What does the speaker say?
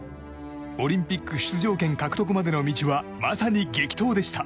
オリンピック出場権獲得までの道は、まさに激闘でした。